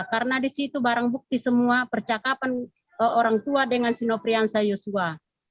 karena di situ barang bukti semua percakapan orang tua dengan si noviansa yosua